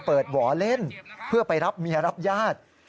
หวอเล่นเพื่อไปรับเมียรับญาติ